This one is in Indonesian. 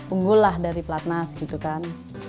umpulah dari platna gitu kan